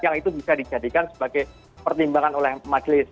yang itu bisa dijadikan sebagai pertimbangan oleh majelis